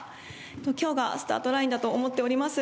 きょうがスタートラインだと思っております。